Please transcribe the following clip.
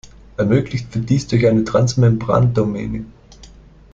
Ermöglicht wird dies durch eine Transmembran-Domäne.